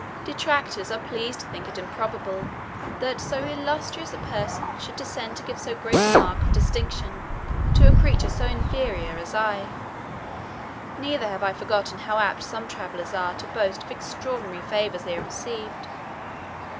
Detractors are pleased to think it improbable, that so illustrious a person should descend to give so great a mark of distinction to a creature so inferior as I. Neither have I forgotten how apt some travellers are to boast of extraordinary favours they have received.